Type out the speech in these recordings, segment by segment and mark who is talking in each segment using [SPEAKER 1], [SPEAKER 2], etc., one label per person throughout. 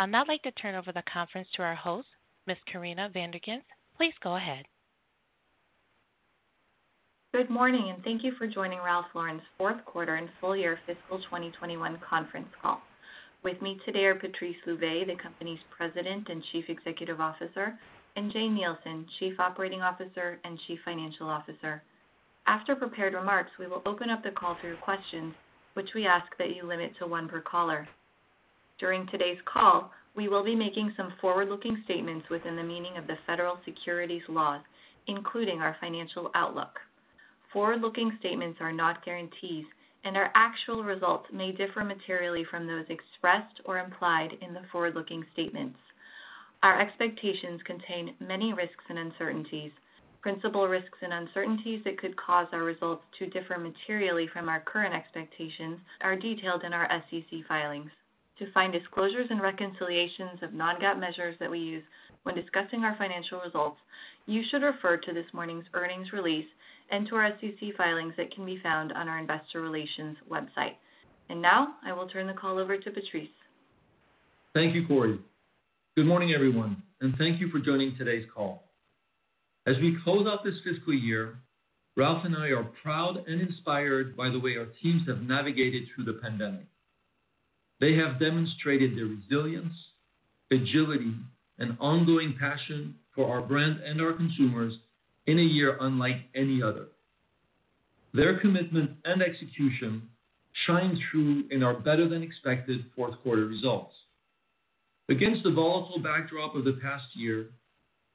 [SPEAKER 1] Good morning. Thank you for joining Ralph Lauren's fourth quarter and full year fiscal 2021 conference call. With me today are Patrice Louvet, the company's President and Chief Executive Officer, and Jane Nielsen, Chief Operating Officer and Chief Financial Officer. After prepared remarks, we will open up the call to your questions, which we ask that you limit to one per caller. During today's call, we will be making some forward-looking statements within the meaning of the federal securities laws, including our financial outlook. Forward-looking statements are not guarantees, and our actual results may differ materially from those expressed or implied in the forward-looking statements. Our expectations contain many risks and uncertainties. Principal risks and uncertainties that could cause our results to differ materially from our current expectations are detailed in our SEC filings. To find disclosures and reconciliations of non-GAAP measures that we use when discussing our financial results, you should refer to this morning's earnings release and to our SEC filings that can be found on our investor relations website. Now, I will turn the call over to Patrice.
[SPEAKER 2] Thank you, Corinna. Good morning, everyone, and thank you for joining today's call. As we close out this fiscal year, Ralph and I are proud and inspired by the way our teams have navigated through the pandemic. They have demonstrated their resilience, agility, and ongoing passion for our brand and our consumers in a year unlike any other. Their commitment and execution shine through in our better-than-expected fourth quarter results. Against the volatile backdrop of the past year,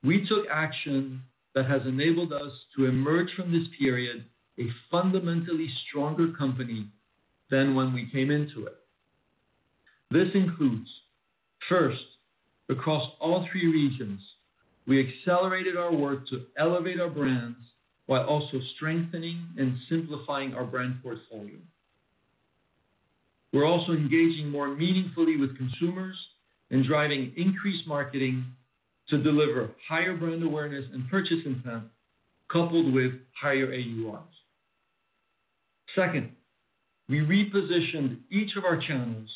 [SPEAKER 2] we took action that has enabled us to emerge from this period a fundamentally stronger company than when we came into it. This includes, first, across all three regions, we accelerated our work to elevate our brands while also strengthening and simplifying our brand portfolio. We're also engaging more meaningfully with consumers and driving increased marketing to deliver higher brand awareness and purchase intent, coupled with higher AURs. Second, we repositioned each of our channels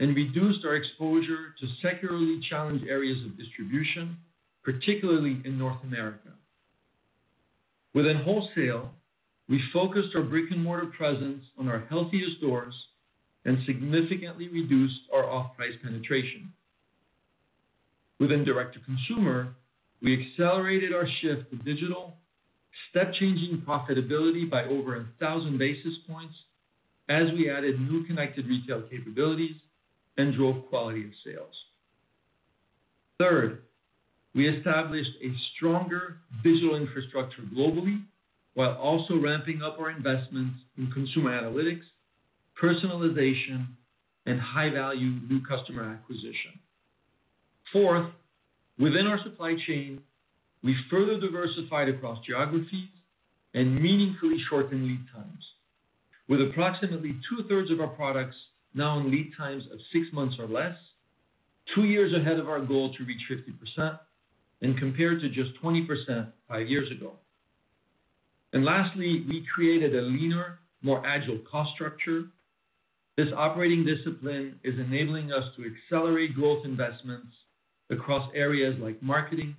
[SPEAKER 2] and reduced our exposure to secularly challenged areas of distribution, particularly in North America. Within wholesale, we focused our brick-and-mortar presence on our healthiest stores and significantly reduced our off-price penetration. Within direct-to-consumer, we accelerated our shift to digital, step-changing profitability by over 1,000 basis points as we added new connected retail capabilities and drove quality of sales. Third, we established a stronger digital infrastructure globally while also ramping up our investments in consumer analytics, personalization, and high-value new customer acquisition. Fourth, within our supply chain, we further diversified across geographies and meaningfully shortened lead times. With approximately 2/3 of our products now in lead times of six months or less, two years ahead of our goal to reach 50%, and compared to just 20% five years ago. Lastly, we created a leaner, more agile cost structure. This operating discipline is enabling us to accelerate growth investments across areas like marketing,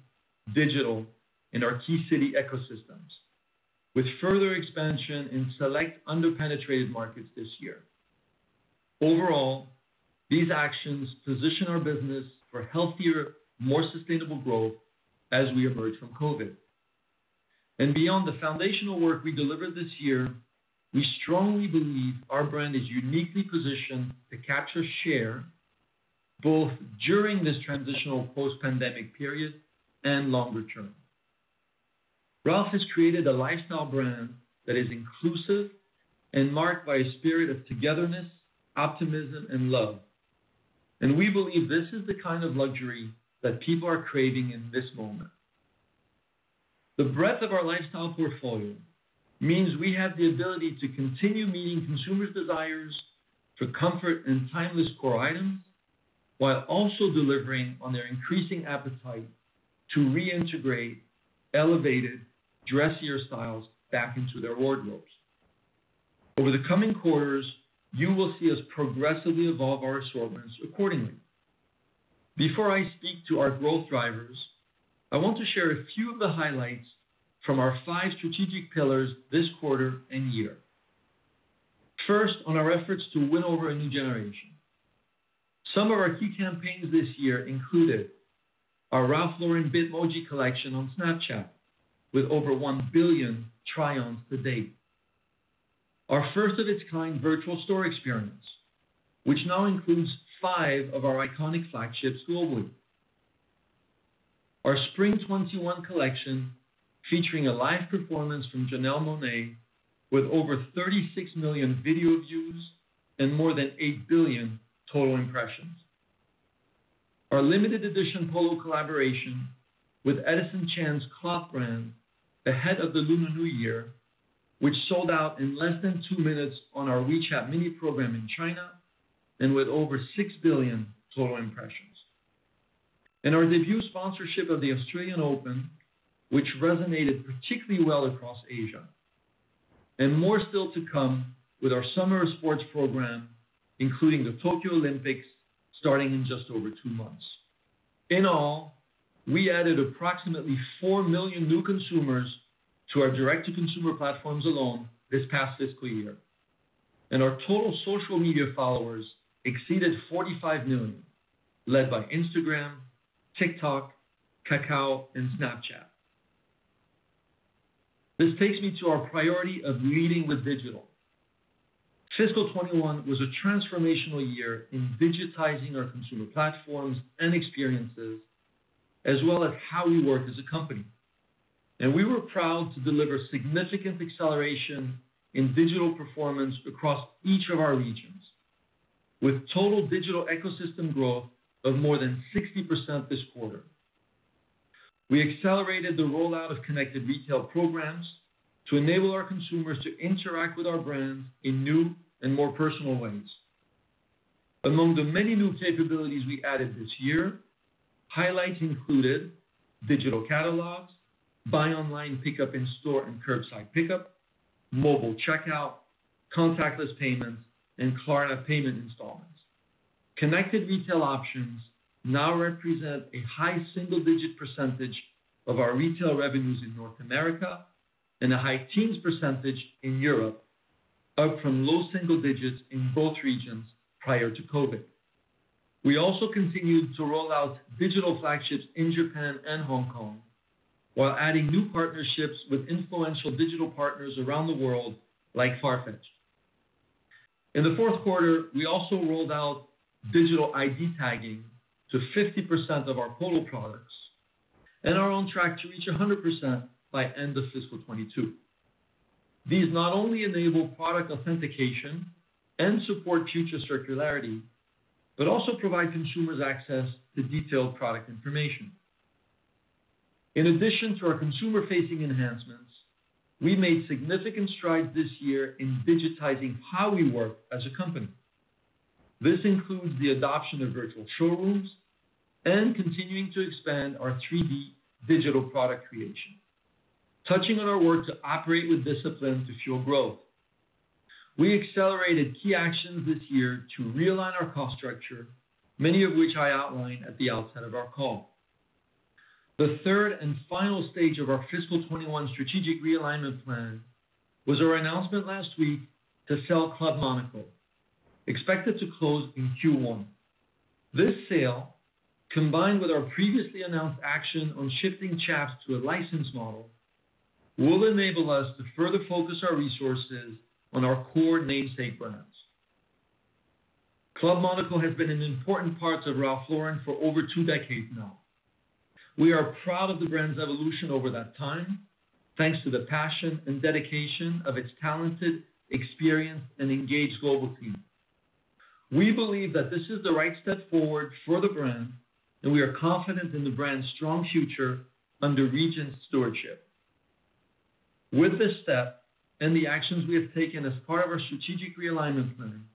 [SPEAKER 2] digital, and our key city ecosystems, with further expansion in select under-penetrated markets this year. Overall, these actions position our business for healthier, more sustainable growth as we emerge from COVID-19. Beyond the foundational work we delivered this year, we strongly believe our brand is uniquely positioned to capture share both during this transitional post-pandemic period and longer term. Ralph has created a lifestyle brand that is inclusive and marked by a spirit of togetherness, optimism, and love, and we believe this is the kind of luxury that people are craving in this moment. The breadth of our lifestyle portfolio means we have the ability to continue meeting consumers' desires for comfort and timeless core items while also delivering on their increasing appetite to reintegrate elevated, dressier styles back into their wardrobes. Over the coming quarters, you will see us progressively evolve our assortments accordingly. Before I speak to our growth drivers, I want to share a few of the highlights from our five strategic pillars this quarter and year. First, on our efforts to win over a new generation. Some of our key campaigns this year included our Ralph Lauren Bitmoji collection on Snapchat, with over one billion tries to date. Our first-of-its-kind virtual store experience, which now includes five of our iconic flagship stores. Our Spring 2021 collection, featuring a live performance from Janelle Monáe, with over 36 million video views and more than eight billion total impressions. Our limited edition Polo collaboration with Edison Chen's CLOT brand ahead of the Lunar New Year, which sold out in less than two minutes on our WeChat mini program in China, and with over six billion total impressions. Our debut sponsorship of the Australian Open, which resonated particularly well across Asia. More still to come with our summer sports program, including the Tokyo Olympics starting in just over two months. In all, we added approximately four million new consumers to our direct-to-consumer platforms alone this past fiscal year, and our total social media followers exceeded 45 million, led by Instagram, TikTok, Kakao, and Snapchat. This takes me to our priority of leading with digital. Fiscal 2021 was a transformational year in digitizing our consumer platforms and experiences, as well as how we work as a company. We were proud to deliver significant acceleration in digital performance across each of our regions, with total digital ecosystem growth of more than 60% this quarter. We accelerated the rollout of connected retail programs to enable our consumers to interact with our brand in new and more personal ways. Among the many new capabilities we added this year, highlights included digital catalogs, buy online pickup in store and curbside pickup, mobile checkout, contactless payments, and Klarna payment installments. Connected retail options now represent a high single-digit percentage of our retail revenues in North America, and a high teens percentage in Europe, up from low single digits in both regions prior to COVID. We also continued to roll out digital flagships in Japan and Hong Kong, while adding new partnerships with influential digital partners around the world, like Farfetch. In the fourth quarter, we also rolled out digital ID tagging to 50% of our Polo products, and are on track to reach 100% by end of fiscal 2022. These not only enable product authentication and support future circularity, but also provide consumers access to detailed product information. In addition to our consumer-facing enhancements, we made significant strides this year in digitizing how we work as a company. This includes the adoption of virtual showrooms and continuing to expand our 3D digital product creation. Touching on our work to operate with discipline to fuel growth, we accelerated key actions this year to realign our cost structure, many of which I outlined at the outset of our call. The third and final stage of our fiscal 2021 strategic realignment plan was our announcement last week to sell Club Monaco, expected to close in Q1. This sale, combined with our previously announced action on shifting Chaps to a licensed model, will enable us to further focus our resources on our core namesake brands. Club Monaco has been an important part of Ralph Lauren for over two decades now. We are proud of the brand's evolution over that time, thanks to the passion and dedication of its talented, experienced, and engaged global team. We believe that this is the right step forward for the brand, and we are confident in the brand's strong future under Regent's stewardship. With this step, and the actions we have taken as part of our strategic realignment plan,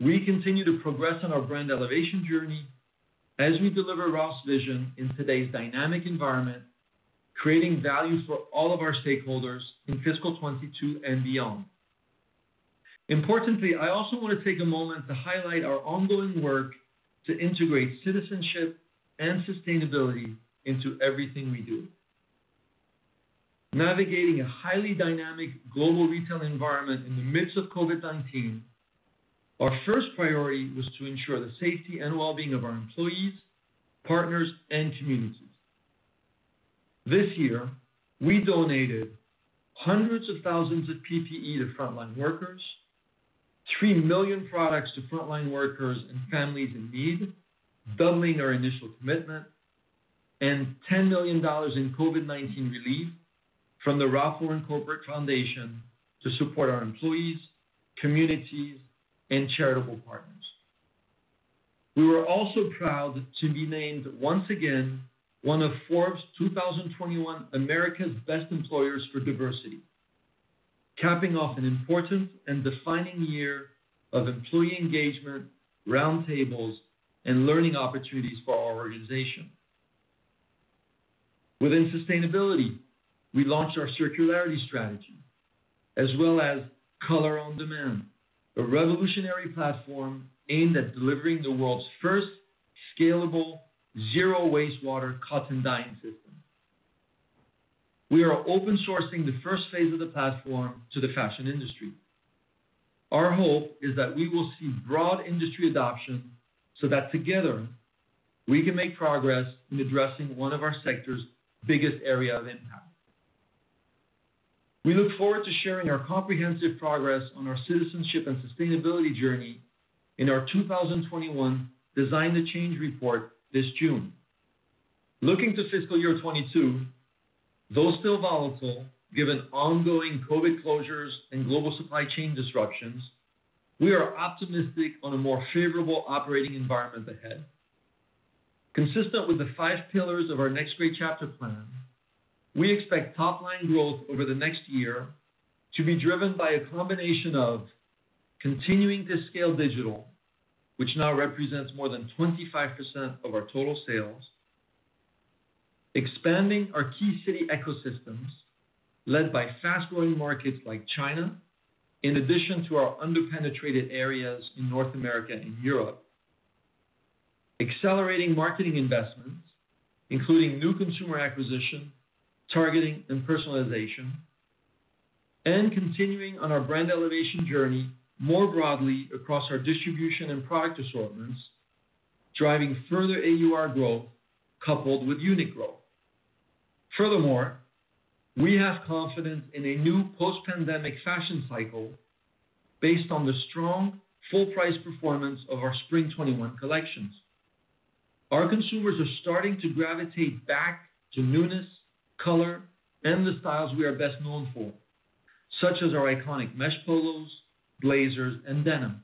[SPEAKER 2] we continue to progress on our brand elevation journey as we deliver Ralph's vision in today's dynamic environment, creating value for all of our stakeholders in fiscal 2022 and beyond. Importantly, I also want to take a moment to highlight our ongoing work to integrate citizenship and sustainability into everything we do. Navigating a highly dynamic global retail environment in the midst of COVID-19, our first priority was to ensure the safety and well-being of our employees, partners, and communities. This year, we donated hundreds of thousands of PPE to frontline workers, three million products to frontline workers and families in need, doubling our initial commitment, and $10 million in COVID-19 relief from the Ralph Lauren Corporate Foundation to support our employees, communities, and charitable partners. We were also proud to be named, once again, one of Forbes 2021 America's Best Employers for Diversity, capping off an important and defining year of employee engagement, roundtables, and learning opportunities for our organization. Within sustainability, we launched our circularity strategy, as well as Color on Demand, a revolutionary platform aimed at delivering the world's first scalable zero wastewater cotton dyeing system. We are open sourcing the first phase of the platform to the fashion industry. Our hope is that we will see broad industry adoption so that together we can make progress in addressing one of our sector's biggest area of impact. We look forward to sharing our comprehensive progress on our citizenship and sustainability journey in our 2021 Design the Change report this June. Looking to fiscal year 2022, though still volatile, given ongoing COVID closures and global supply chain disruptions, we are optimistic on a more favorable operating environment ahead. Consistent with the five pillars of our Next Great Chapter plan, we expect top-line growth over the next year to be driven by a combination of continuing to scale digital, which now represents more than 25% of our total sales, expanding our key city ecosystems led by fast-growing markets like China, in addition to our under-penetrated areas in North America and Europe. Accelerating marketing investments, including new consumer acquisition, targeting, and personalization, and continuing on our brand elevation journey more broadly across our distribution and product assortments, driving further AUR growth coupled with unit growth. We have confidence in a new post-pandemic fashion cycle based on the strong full-price performance of our spring 2021 collections. Our consumers are starting to gravitate back to newness, color, and the styles we are best known for, such as our iconic mesh polos, blazers, and denim.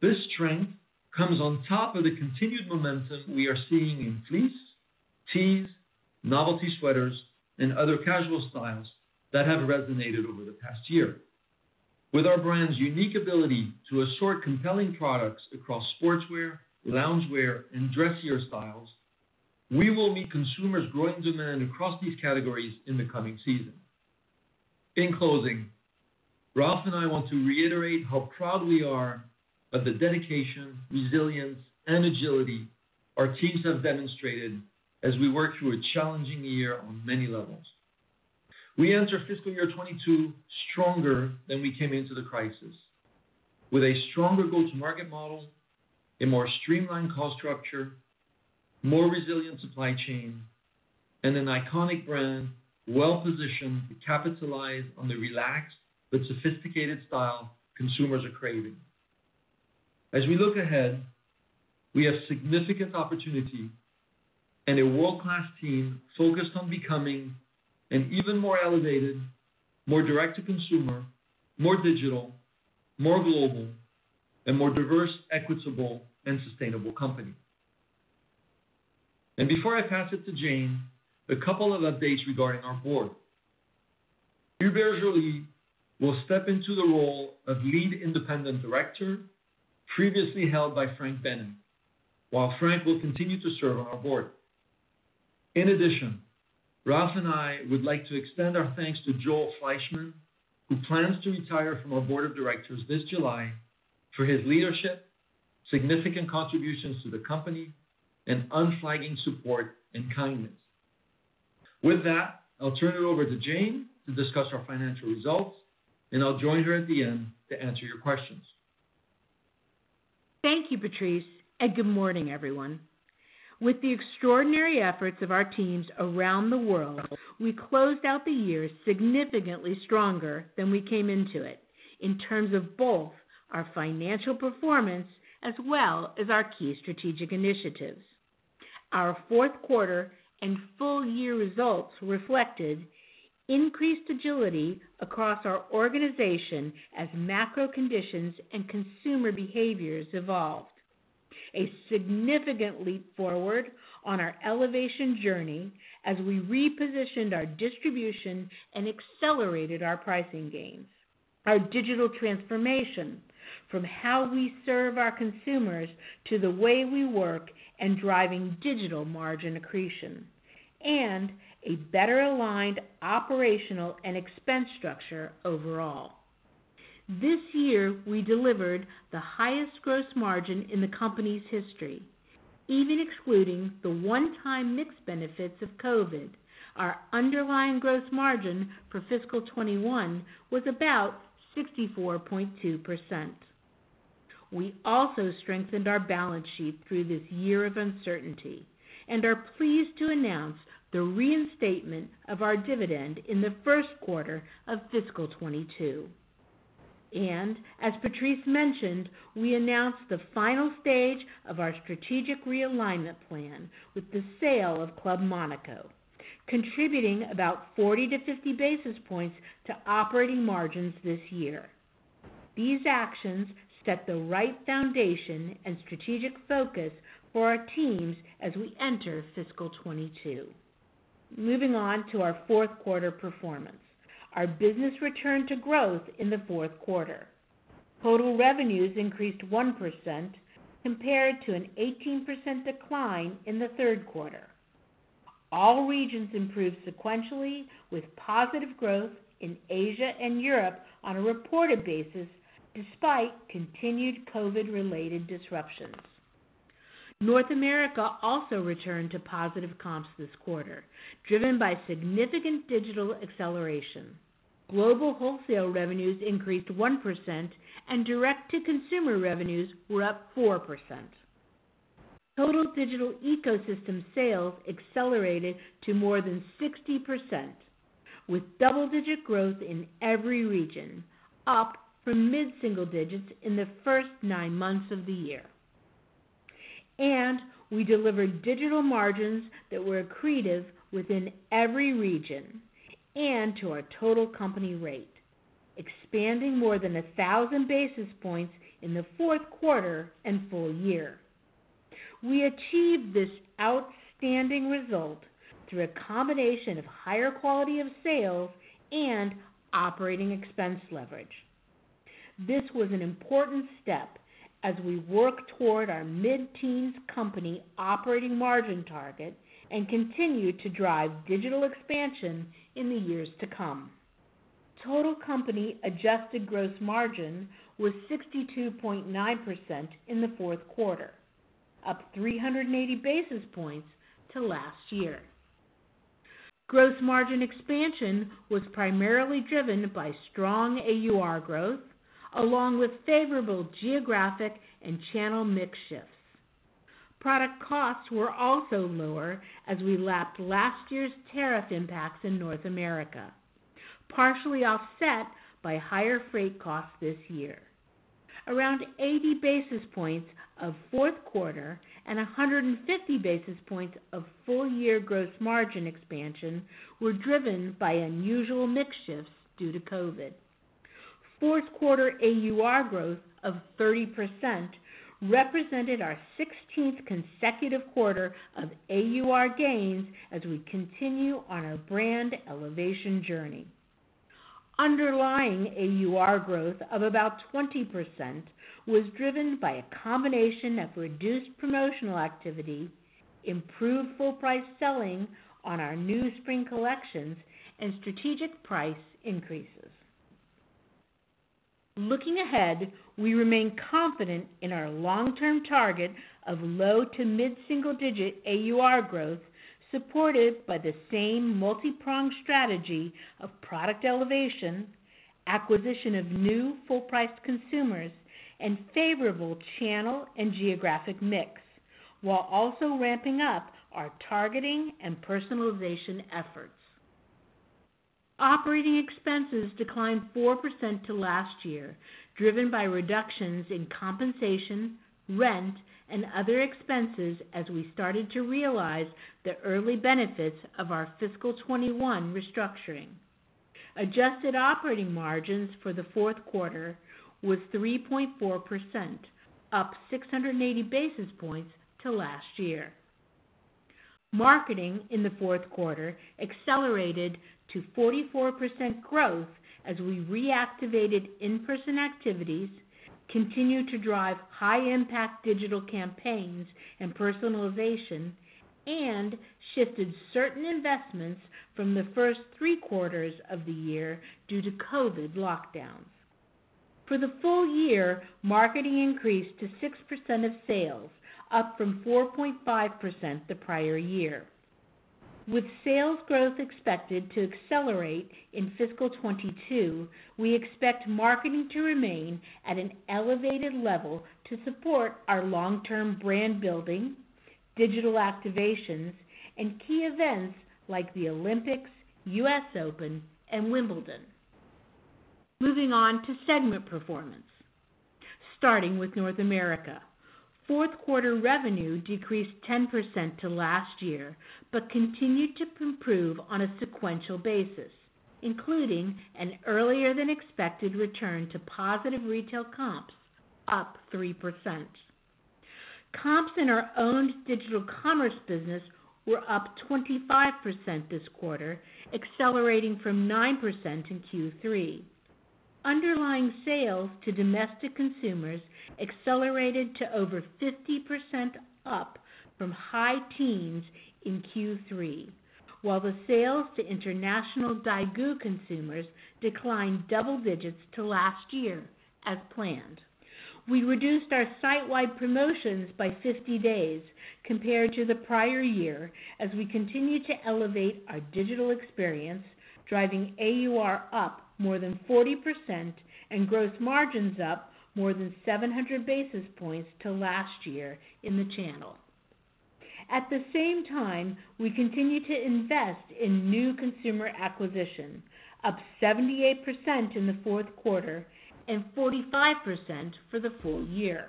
[SPEAKER 2] This strength comes on top of the continued momentum we are seeing in fleece, tees, novelty sweaters, and other casual styles that have resonated over the past year. With our brand's unique ability to assort compelling products across sportswear, loungewear, and dressier styles, we will meet consumers' growing demand across these categories in the coming season. In closing, Ralph and I want to reiterate how proud we are of the dedication, resilience, and agility our teams have demonstrated as we work through a challenging year on many levels. We enter fiscal year 2022 stronger than we came into the crisis. With a stronger go-to-market model, a more streamlined cost structure, more resilient supply chain, and an iconic brand well-positioned to capitalize on the relaxed but sophisticated style consumers are craving. As we look ahead, we have significant opportunity and a world-class team focused on becoming an even more elevated, more direct-to-consumer, more digital, more global, and more diverse, equitable, and sustainable company. Before I pass it to Jane Nielsen, a couple of updates regarding our board. Hubert Joly will step into the role of Lead Independent Director, previously held by Frank Bennack, while Frank will continue to serve on our board. Ralph and I would like to extend our thanks to Joel Fleishman, who plans to retire from our Board of Directors this July, for his leadership, significant contributions to the company, and unflagging support and kindness. With that, I'll turn it over to Jane to discuss our financial results, and I'll join her at the end to answer your questions.
[SPEAKER 3] Thank you, Patrice. Good morning, everyone. With the extraordinary efforts of our teams around the world, we closed out the year significantly stronger than we came into it in terms of both our financial performance as well as our key strategic initiatives. Our fourth quarter and full-year results reflected increased agility across our organization as macro conditions and consumer behaviors evolved. A significant leap forward on our elevation journey as we repositioned our distribution and accelerated our pricing gains. Our digital transformation, from how we serve our consumers to the way we work and driving digital margin accretion, and a better-aligned operational and expense structure overall. This year, we delivered the highest gross margin in the company's history. Even excluding the one-time mix benefits of COVID, our underlying gross margin for fiscal 2021 was about 64.2%. We also strengthened our balance sheet through this year of uncertainty and are pleased to announce the reinstatement of our dividend in the first quarter of fiscal 2022. As Patrice mentioned, we announced the final stage of our strategic realignment plan with the sale of Club Monaco, contributing about 40 to 50 basis points to operating margins this year. These actions set the right foundation and strategic focus for our teams as we enter fiscal 2022. Moving on to our fourth quarter performance. Our business returned to growth in the fourth quarter. Total revenues increased 1% compared to an 18% decline in the third quarter. All regions improved sequentially with positive growth in Asia and Europe on a reported basis, despite continued COVID-related disruptions. North America also returned to positive comps this quarter, driven by significant digital acceleration. Global wholesale revenues increased 1%. Direct-to-consumer revenues were up 4%. Total digital ecosystem sales accelerated to more than 60%, with double-digit growth in every region, up from mid-single digits in the first nine months of the year. We delivered digital margins that were accretive within every region and to our total company rate, expanding more than 1,000 basis points in the fourth quarter and full year. We achieved this outstanding result through a combination of higher quality of sales and operating expense leverage. This was an important step as we work toward our mid-teens company operating margin target and continue to drive digital expansion in the years to come. Total company adjusted gross margin was 62.9% in the fourth quarter, up 380 basis points to last year. Gross margin expansion was primarily driven by strong AUR growth, along with favorable geographic and channel mix shifts. Product costs were also lower as we lapped last year's tariff impacts in North America, partially offset by higher freight costs this year. Around 80 basis points of fourth quarter and 150 basis points of full-year gross margin expansion were driven by unusual mix shifts due to COVID. Fourth quarter AUR growth of 30% represented our 16th consecutive quarter of AUR gains as we continue on our brand elevation journey. Underlying AUR growth of about 20% was driven by a combination of reduced promotional activity, improved full price selling on our new spring collections, and strategic price increases. Looking ahead, we remain confident in our long-term target of low to mid-single digit AUR growth, supported by the same multi-pronged strategy of product elevation, acquisition of new full price consumers, and favorable channel and geographic mix, while also ramping up our targeting and personalization efforts. Operating expenses declined 4% to last year, driven by reductions in compensation, rent, and other expenses as we started to realize the early benefits of our fiscal 2021 restructuring. Adjusted operating margins for the fourth quarter was 3.4%, up 680 basis points to last year. Marketing in the fourth quarter accelerated to 44% growth as we reactivated in-person activities, continued to drive high impact digital campaigns and personalization, and shifted certain investments from the first three quarters of the year due to COVID-19 lockdowns. For the full year, marketing increased to 6% of sales, up from 4.5% the prior year. With sales growth expected to accelerate in fiscal 2022, we expect marketing to remain at an elevated level to support our long-term brand building, digital activations, and key events like the Olympics, US Open, and Wimbledon. Moving on to segment performance. Starting with North America. Fourth quarter revenue decreased 10% to last year, but continued to improve on a sequential basis, including an earlier than expected return to positive retail comps up 3%. Comps in our own digital commerce business were up 25% this quarter, accelerating from 9% in Q3. Underlying sales to domestic consumers accelerated to over 50% up from high teens in Q3. While the sales to international Daigou consumers declined double digits to last year, as planned. We reduced our site-wide promotions by 50 days compared to the prior year as we continue to elevate our digital experience, driving AUR up more than 40% and gross margins up more than 700 basis points to last year in the channel. At the same time, we continue to invest in new consumer acquisition, up 78% in the fourth quarter and 45% for the full year.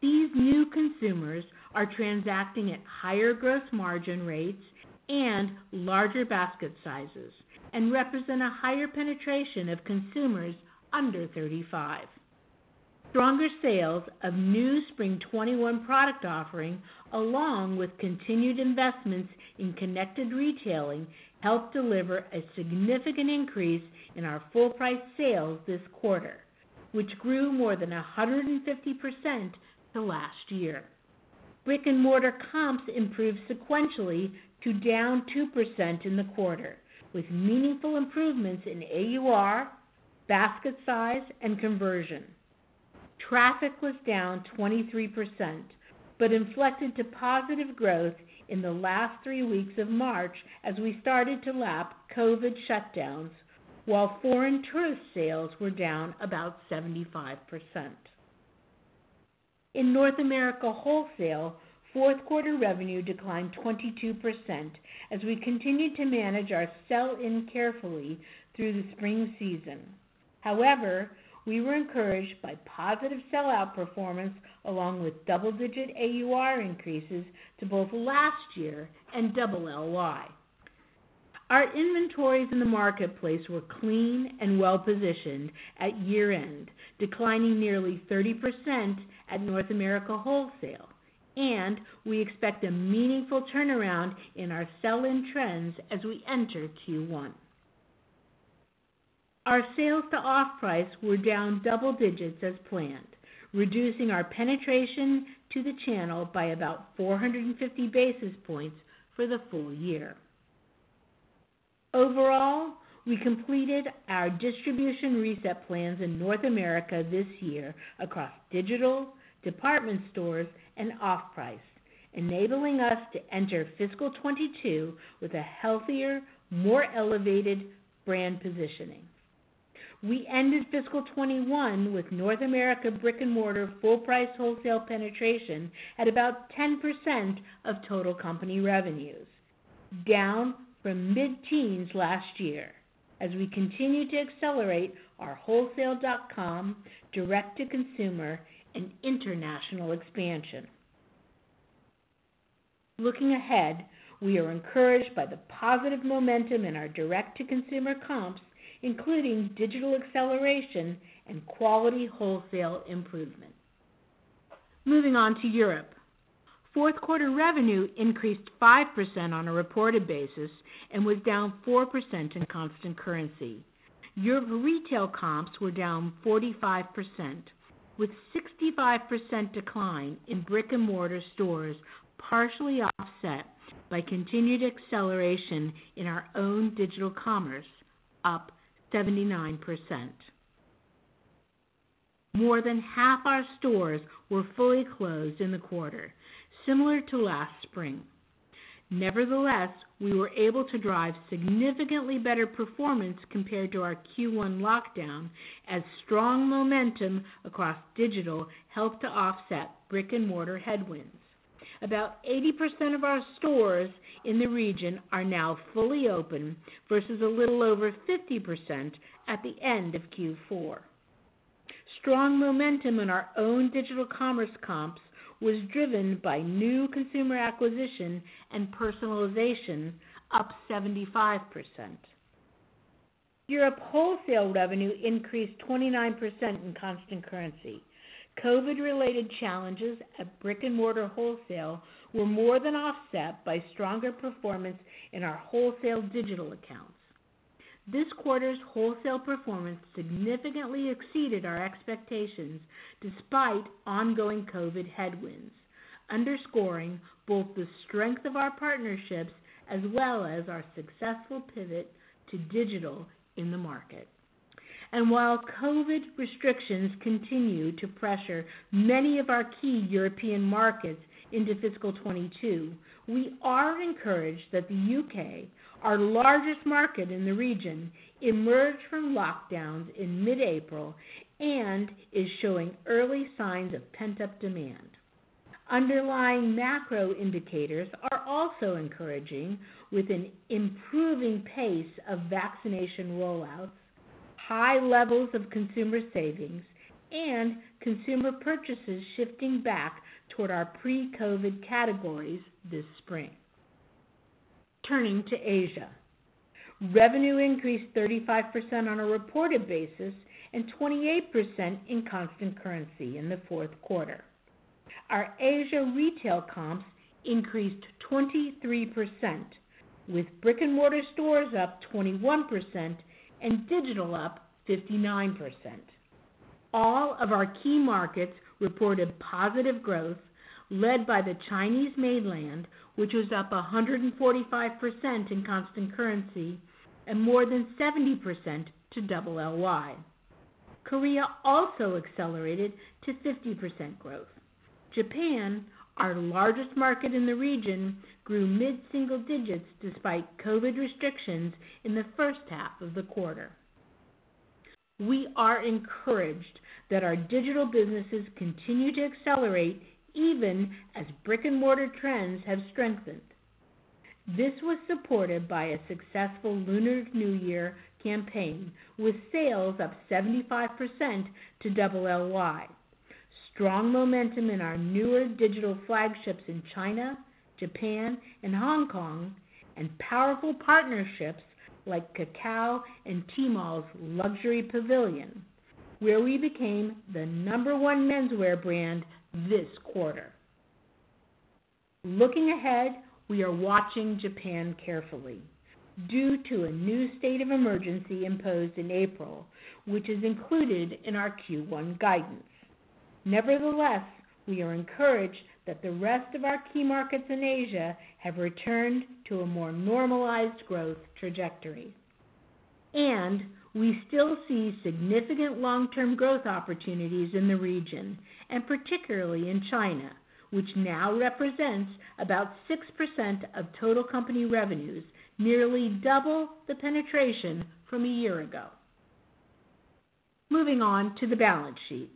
[SPEAKER 3] These new consumers are transacting at higher gross margin rates and larger basket sizes and represent a higher penetration of consumers under 35. Stronger sales of new Spring 2021 product offering, along with continued investments in connected retailing, helped deliver a significant increase in our full price sales this quarter, which grew more than 150% to last year. Brick-and-mortar comps improved sequentially to down 2% in the quarter, with meaningful improvements in AUR, basket size, and conversion. Traffic was down 23%, but inflected to positive growth in the last three weeks of March as we started to lap COVID shutdowns, while foreign tourist sales were down about 75%. In North America wholesale, fourth quarter revenue declined 22% as we continued to manage our sell-in carefully through the spring season. We were encouraged by positive sell-out performance along with double-digit AUR increases to both last year and LLY. Our inventories in the marketplace were clean and well-positioned at year-end, declining nearly 30% at North America wholesale. We expect a meaningful turnaround in our sell-in trends as we enter Q1. Our sales to off-price were down double digits as planned, reducing our penetration to the channel by about 450 basis points for the full year. Overall, we completed our distribution reset plans in North America this year across digital, department stores, and off-price, enabling us to enter fiscal 2022 with a healthier, more elevated brand positioning. We ended fiscal 2021 with North America brick-and-mortar full price wholesale penetration at about 10% of total company revenues, down from mid-teens last year, as we continue to accelerate our wholesale.com, direct-to-consumer, and international expansion. Looking ahead, we are encouraged by the positive momentum in our direct-to-consumer comps, including digital acceleration and quality wholesale improvements. Moving on to Europe. Fourth quarter revenue increased 5% on a reported basis and was down 4% in constant currency. Europe retail comps were down 45%, with 65% decline in brick-and-mortar stores partially offset by continued acceleration in our own digital commerce, up 79%. More than half our stores were fully closed in the quarter, similar to last spring. Nevertheless, we were able to drive significantly better performance compared to our Q1 lockdown as strong momentum across digital helped to offset brick-and-mortar headwinds. About 80% of our stores in the region are now fully open versus a little over 50% at the end of Q4. Strong momentum in our own digital commerce comps was driven by new consumer acquisition and personalization, up 75%. Europe wholesale revenue increased 29% in constant currency. COVID-related challenges at brick-and-mortar wholesale were more than offset by stronger performance in our wholesale digital accounts. This quarter's wholesale performance significantly exceeded our expectations despite ongoing COVID headwinds, underscoring both the strength of our partnerships as well as our successful pivot to digital in the market. While COVID restrictions continue to pressure many of our key European markets into fiscal 2022, we are encouraged that the U.K., our largest market in the region, emerged from lockdowns in mid-April and is showing early signs of pent-up demand. Underlying macro indicators are also encouraging, with an improving pace of vaccination rollouts, high levels of consumer savings, and consumer purchases shifting back toward our pre-COVID categories this spring. Turning to Asia. Revenue increased 35% on a reported basis and 28% in constant currency in the fourth quarter. Our Asia retail comps increased 23%, with brick-and-mortar stores up 21% and digital up 59%. All of our key markets reported positive growth led by the Chinese mainland, which was up 145% in constant currency and more than 70% to LLY. Korea also accelerated to 50% growth. Japan, our largest market in the region, grew mid-single digits despite COVID restrictions in the first half of the quarter. We are encouraged that our digital businesses continue to accelerate even as brick-and-mortar trends have strengthened. This was supported by a successful Lunar New Year campaign with sales up 75% to LLY. Strong momentum in our newer digital flagships in China, Japan, and Hong Kong, and powerful partnerships like Kakao and Tmall's Luxury Pavilion, where we became the number one menswear brand this quarter. Looking ahead, we are watching Japan carefully due to a new state of emergency imposed in April, which is included in our Q1 guidance. Nevertheless, we are encouraged that the rest of our key markets in Asia have returned to a more normalized growth trajectory. We still see significant long-term growth opportunities in the region, and particularly in China, which now represents about 6% of total company revenues, nearly double the penetration from a year ago. Moving on to the balance sheet.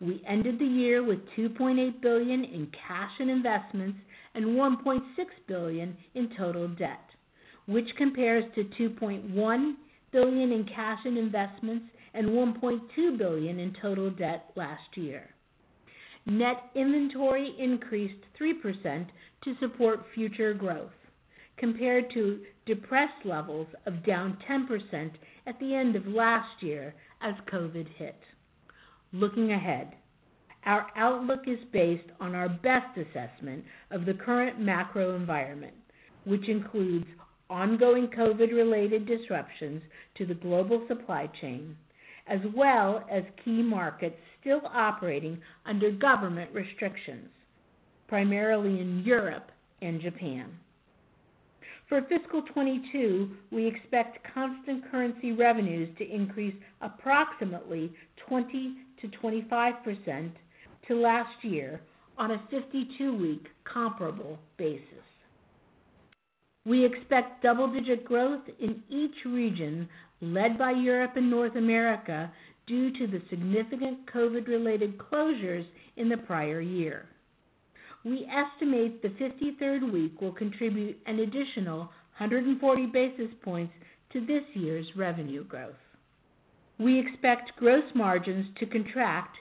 [SPEAKER 3] We ended the year with $2.8 billion in cash and investments and $1.6 billion in total debt, which compares to $2.1 billion in cash and investments and $1.2 billion in total debt last year. Net inventory increased 3% to support future growth, compared to depressed levels of down 10% at the end of last year as COVID-19 hit. Looking ahead, our outlook is based on our best assessment of the current macro environment, which includes ongoing COVID-related disruptions to the global supply chain, as well as key markets still operating under government restrictions, primarily in Europe and Japan. For fiscal 2022, we expect constant currency revenues to increase approximately 20%-25% to last year on a 52-week comparable basis. We expect double-digit growth in each region, led by Europe and North America, due to the significant COVID-related closures in the prior year. We estimate the 53rd week will contribute an additional 140 basis points to this year's revenue growth. We expect gross margins to contract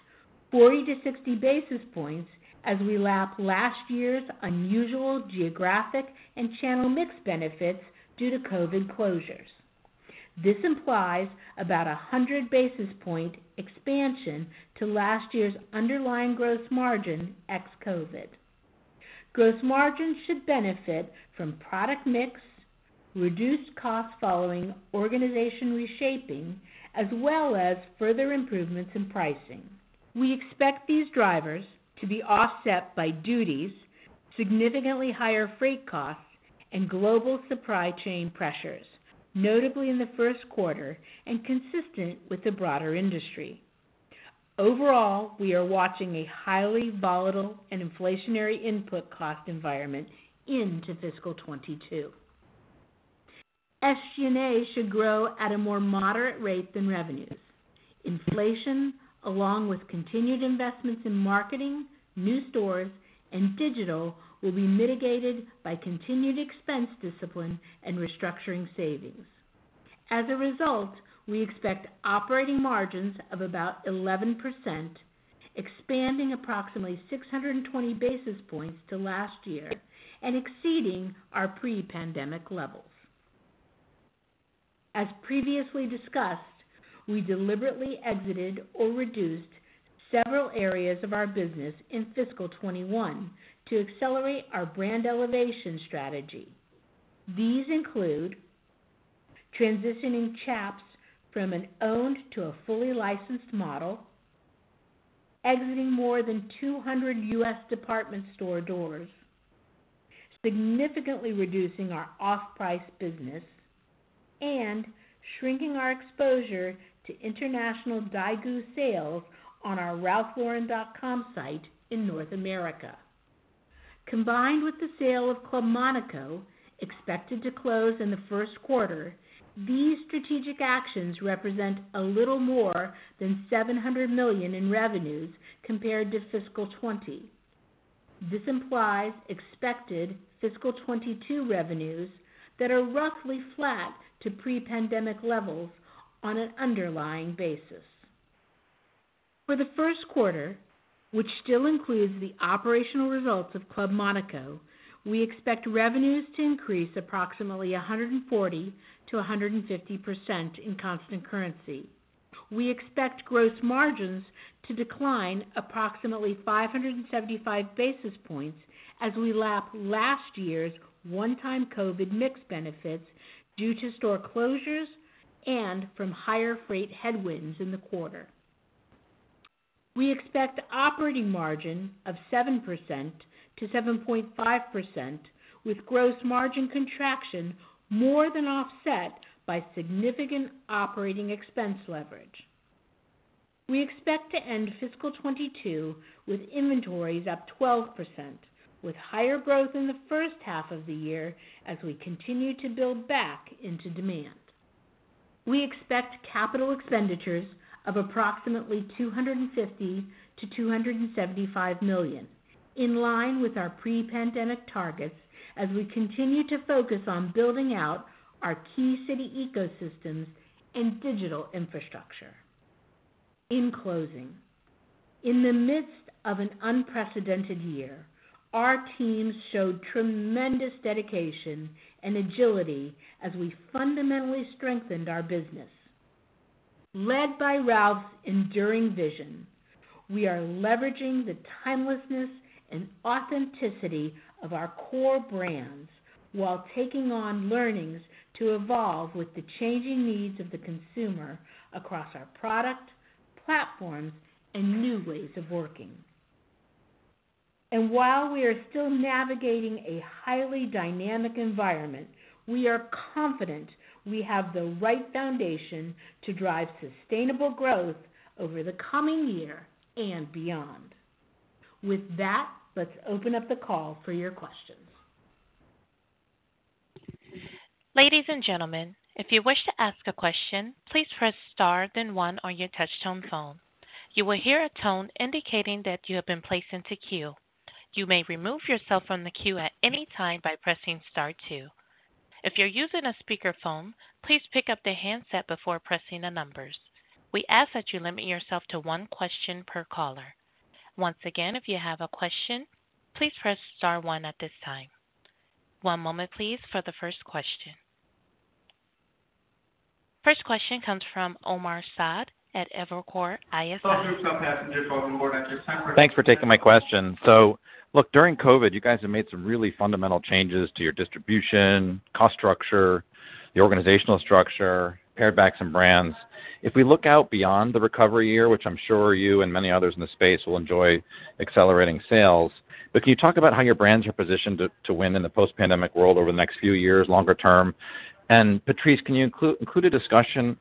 [SPEAKER 3] 40-60 basis points as we lap last year's unusual geographic and channel mix benefits due to COVID closures. This implies about 100 basis point expansion to last year's underlying gross margin ex-COVID. Gross margins should benefit from product mix, reduced costs following organization reshaping, as well as further improvements in pricing. We expect these drivers to be offset by duties, significantly higher freight costs, and global supply chain pressures, notably in the first quarter and consistent with the broader industry. Overall, we are watching a highly volatile and inflationary input cost environment into fiscal 2022. SG&A should grow at a more moderate rate than revenues. Inflation, along with continued investments in marketing, new stores, and digital, will be mitigated by continued expense discipline and restructuring savings. As a result, we expect operating margins of about 11%, expanding approximately 620 basis points to last year and exceeding our pre-pandemic levels. As previously discussed, we deliberately exited or reduced several areas of our business in fiscal 2021 to accelerate our brand elevation strategy. These include transitioning Chaps from an owned to a fully licensed model, exiting more than 200 U.S. department store doors, significantly reducing our off-price business, and shrinking our exposure to international Daigou sales on our ralphlauren.com site in North America. Combined with the sale of Club Monaco, expected to close in the first quarter, these strategic actions represent a little more than $700 million in revenues compared to fiscal 2020. This implies expected fiscal 2022 revenues that are roughly flat to pre-pandemic levels on an underlying basis. For the first quarter, which still includes the operational results of Club Monaco, we expect revenues to increase approximately 140% to 150% in constant currency. We expect gross margins to decline approximately 575 basis points as we lap last year's one-time COVID-19 mix benefits due to store closures and from higher freight headwinds in the quarter. We expect operating margin of 7%-7.5%, with gross margin contraction more than offset by significant operating expense leverage. We expect to end fiscal 2022 with inventories up 12%, with higher growth in the first half of the year as we continue to build back into demand. We expect capital expenditures of approximately $250 million-$275 million, in line with our pre-pandemic targets, as we continue to focus on building out our key city ecosystems and digital infrastructure. In closing, in the midst of an unprecedented year, our teams showed tremendous dedication and agility as we fundamentally strengthened our business. Led by Ralph's enduring vision, we are leveraging the timelessness and authenticity of our core brands while taking on learnings to evolve with the changing needs of the consumer across our product, platform, and new ways of working. While we are still navigating a highly dynamic environment, we are confident we have the right foundation to drive sustainable growth over the coming year and beyond. With that, let's open up the call for your questions.
[SPEAKER 4] Ladies and gentlemen, if you wish to ask a question, please press star then one on your touchtone phone. You will hear a tone indicating that you have been placed into queue. You may remove yourself from the queue at any time by pressing star two. If you're using a speakerphone, please pick up the handset before pressing the numbers. We ask that you limit yourself to one question per caller. Once again, if you have a question, please press star one at this time. One moment please for the first question. First question comes from Omar Saad at Evercore ISI.
[SPEAKER 5] Thanks for taking my question. Look, during COVID, you guys have made some really fundamental changes to your distribution, cost structure, the organizational structure, pared back some brands. If we look out beyond the recovery year, which I'm sure you and many others in the space will enjoy accelerating sales, can you talk about how your brands are positioned to win in the post-pandemic world over the next few years, longer term? Patrice, can you include a discussion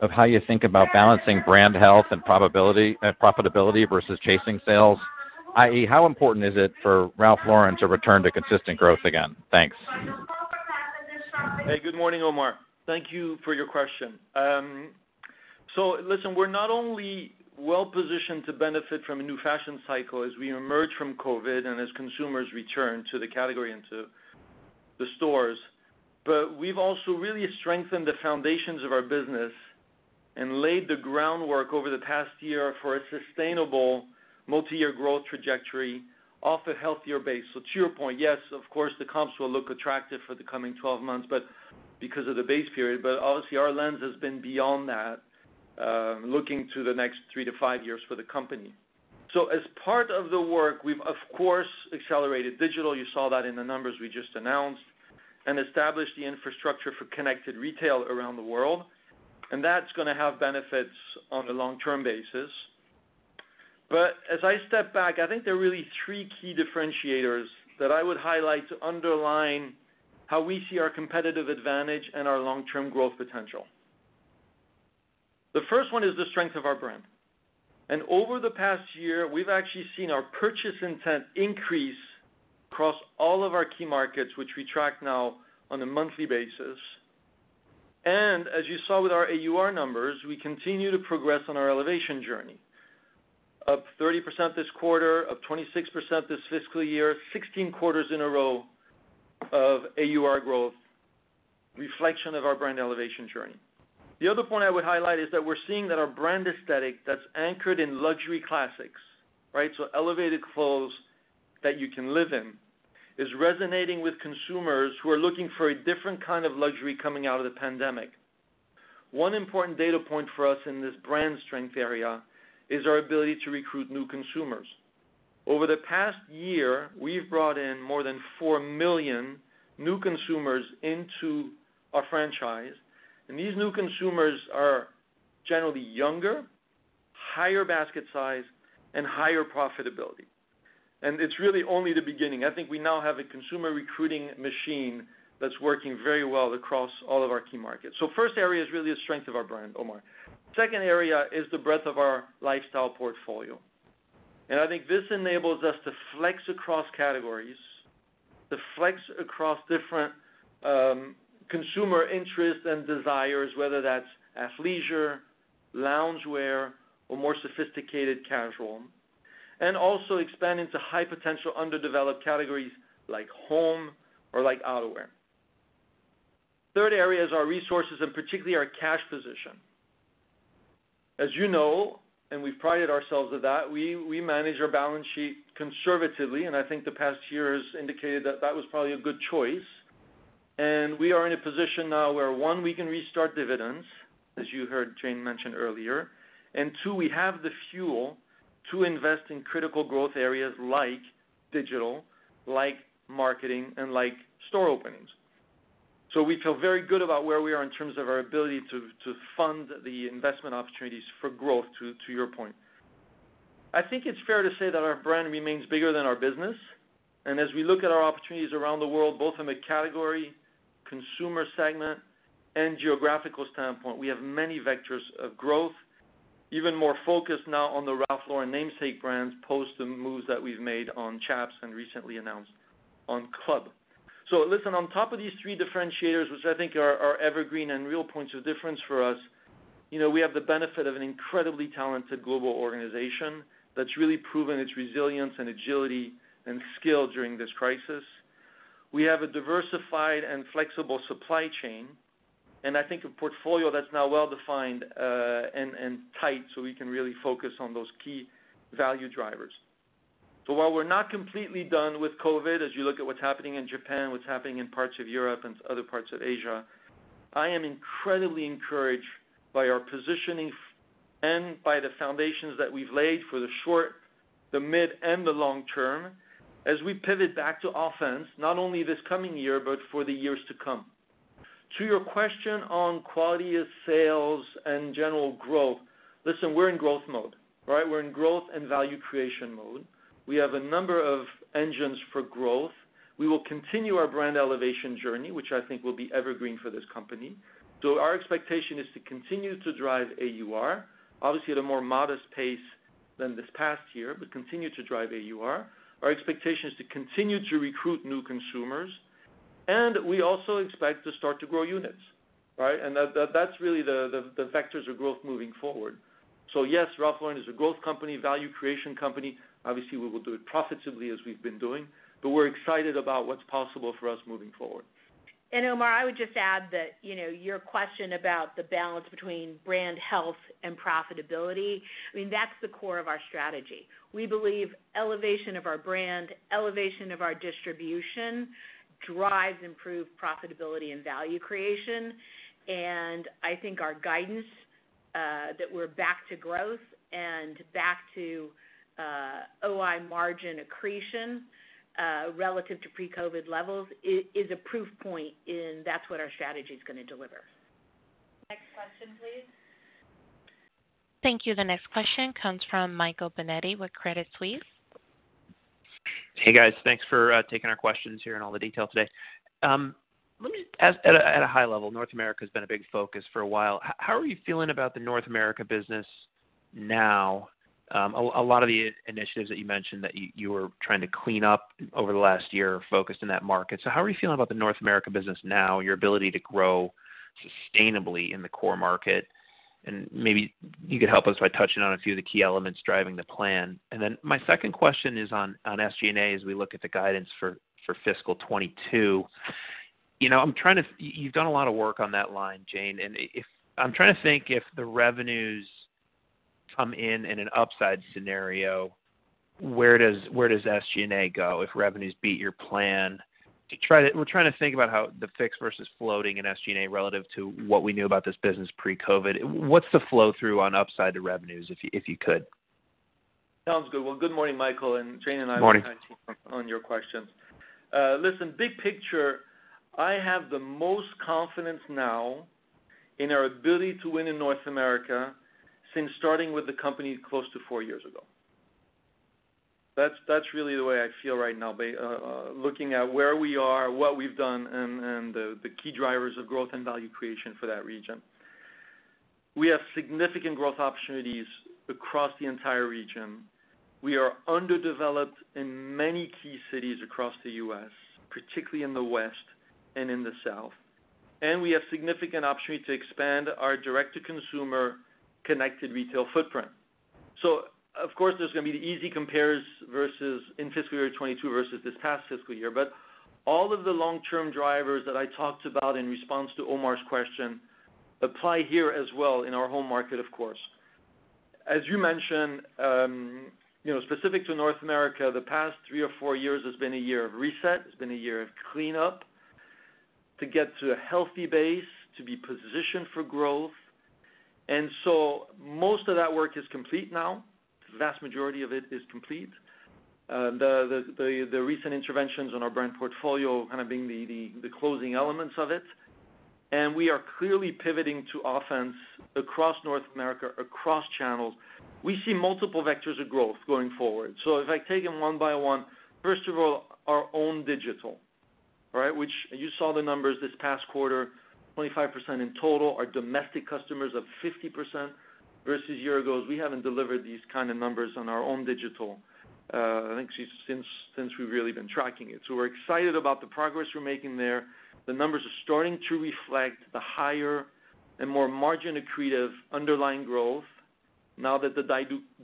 [SPEAKER 5] of how you think about balancing brand health and profitability versus chasing sales, i.e., how important is it for Ralph Lauren to return to consistent growth again? Thanks.
[SPEAKER 2] Good morning, Omar. Thank you for your question. Listen, we're not only well-positioned to benefit from a new fashion cycle as we emerge from COVID and as consumers return to the category and to the stores, but we've also really strengthened the foundations of our business and laid the groundwork over the past year for a sustainable multi-year growth trajectory off a healthier base. To your point, yes, of course, the comps will look attractive for the coming 12 months, because of the base period, but obviously our lens has been beyond that, looking to the next three to five years for the company. As part of the work, we've of course accelerated digital, you saw that in the numbers we just announced, and established the infrastructure for connected retail around the world, and that's going to have benefits on a long-term basis. As I step back, I think there are really three key differentiators that I would highlight to underline how we see our competitive advantage and our long-term growth potential. The first one is the strength of our brand, and over the past year, we've actually seen our purchase intent increase across all of our key markets, which we track now on a monthly basis. As you saw with our AUR numbers, we continue to progress on our elevation journey. Up 30% this quarter, up 26% this fiscal year, 16 quarters in a row of AUR growth, reflection of our brand elevation journey. The other point I would highlight is that we're seeing that our brand aesthetic that's anchored in luxury classics, elevated clothes that you can live in, is resonating with consumers who are looking for a different kind of luxury coming out of the pandemic. One important data point for us in this brand strength area is our ability to recruit new consumers. Over the past year, we've brought in more than four million new consumers into our franchise, and these new consumers are generally younger, higher basket size, and higher profitability, and it's really only the beginning. I think we now have a consumer recruiting machine that's working very well across all of our key markets. First area is really the strength of our brand, Omar. Second area is the breadth of our lifestyle portfolio, and I think this enables us to flex across categories, to flex across different consumer interests and desires, whether that's athleisure, loungewear, or more sophisticated casual, and also expand into high-potential underdeveloped categories like home or like outerwear. Third area is our resources, and particularly our cash position. As you know, and we pride ourselves of that, we manage our balance sheet conservatively, and I think the past year has indicated that that was probably a good choice. We are in a position now where, one, we can restart dividends, as you heard Jane mention earlier, and two, we have the fuel to invest in critical growth areas like digital, like marketing, and like store openings. We feel very good about where we are in terms of our ability to fund the investment opportunities for growth, to your point. I think it's fair to say that our brand remains bigger than our business, and as we look at our opportunities around the world, both in the category, consumer segment, and geographical standpoint, we have many vectors of growth. Even more focused now on the Ralph Lauren namesake brands post the moves that we've made on Chaps and recently announced on Club Monaco. Listen, on top of these three differentiators, which I think are our evergreen and real points of difference for us, we have the benefit of an incredibly talented global organization that's really proven its resilience and agility and skill during this crisis. We have a diversified and flexible supply chain, and I think a portfolio that's now well-defined, and tight, so we can really focus on those key value drivers. While we're not completely done with COVID, as you look at what's happening in Japan, what's happening in parts of Europe and other parts of Asia, I am incredibly encouraged by our positioning and by the foundations that we've laid for the short, the mid, and the long term, as we pivot back to offense, not only this coming year, but for the years to come. To your question on quality of sales and general growth, listen, we're in growth mode. We're in growth and value creation mode. We have a number of engines for growth. We will continue our brand elevation journey, which I think will be evergreen for this company. Our expectation is to continue to drive AUR, obviously at a more modest pace than this past year, but continue to drive AUR. Our expectation is to continue to recruit new consumers, and we also expect to start to grow units. That's really the vectors of growth moving forward. Yes, Ralph Lauren is a growth company, value creation company. Obviously, we will do it profitably as we've been doing, but we're excited about what's possible for us moving forward.
[SPEAKER 3] Omar, I would just add that, your question about the balance between brand health and profitability, I mean, that's the core of our strategy. We believe elevation of our brand, elevation of our distribution, drives improved profitability and value creation. I think our guidance, that we're back to growth and back to OI margin accretion, relative to pre-COVID-19 levels, is a proof point in that's what our strategy is going to deliver.
[SPEAKER 1] Next question, please.
[SPEAKER 4] Thank you. The next question comes from Michael Binetti with Credit Suisse.
[SPEAKER 6] Hey, guys. Thanks for taking our questions here and all the detail today. Let me ask at a high level, North America has been a big focus for a while. How are you feeling about the North America business now? A lot of the initiatives that you mentioned that you were trying to clean up over the last year focused in that market. How are you feeling about the North America business now, your ability to grow sustainably in the core market? Maybe you could help us by touching on a few of the key elements driving the plan. My second question is on SG&A, as we look at the guidance for fiscal 2022. You've done a lot of work on that line, Jane. I'm trying to think if the revenues come in in an upside scenario, where does SG&A go if revenues beat your plan? We're trying to think about how the fixed versus floating in SG&A relative to what we knew about this business pre-COVID. What's the flow-through on upside to revenues, if you could?
[SPEAKER 2] Sounds good. Well, good morning, Michael, and Jane.
[SPEAKER 6] Morning
[SPEAKER 2] look forward to answering your questions. Listen, big picture, I have the most confidence now in our ability to win in North America since starting with the company close to four years ago. That's really the way I feel right now, looking at where we are, what we've done, and the key drivers of growth and value creation for that region. We have significant growth opportunities across the entire region. We are underdeveloped in many key cities across the U.S., particularly in the West and in the South. We have significant opportunity to expand our direct-to-consumer connected retail footprint. Of course, there's going to be the easy compares in fiscal year 2022 versus this past fiscal year. All of the long-term drivers that I talked about in response to Omar's question apply here as well in our home market, of course. As you mentioned, specific to North America, the past three or four years has been a year of reset. It's been a year of cleanup to get to a healthy base, to be positioned for growth. Most of that work is complete now. The vast majority of it is complete. The recent interventions on our brand portfolio kind of being the closing elements of it. We are clearly pivoting to offense across North America, across channels. We see multiple vectors of growth going forward. If I take them one by one, first of all, our own digital, which you saw the numbers this past quarter, 25% in total. Our domestic customers up 50% versus year ago, as we haven't delivered these kind of numbers on our own digital since we've really been tracking it. We're excited about the progress we're making there. The numbers are starting to reflect the higher and more margin-accretive underlying growth now that the